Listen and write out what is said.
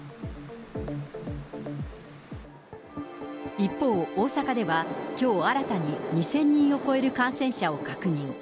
一方、大阪ではきょう新たに２０００人を超える感染者を確認。